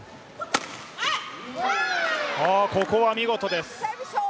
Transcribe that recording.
ここは見事です。